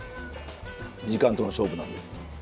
時間との勝負なんで。